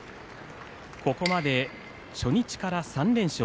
ここまで初日から３連勝。